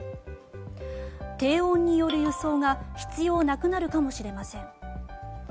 低温による輸送が必要なくなるかもしれません。